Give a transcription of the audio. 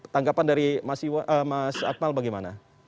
tanggapan dari mas akmal bagaimana